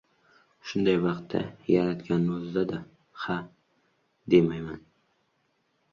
Shunday vaqtda yaratganni o‘ziga-da ha, demayman.